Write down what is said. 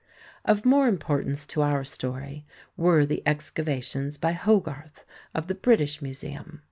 Of more importance to our story were the excavations by Hogarth of the British Museum.